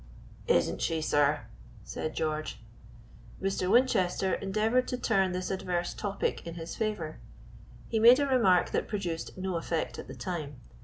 "Isn't she, sir?" said George. Mr. Winchester endeavored to turn this adverse topic in his favor; he made a remark that produced no effect at the time.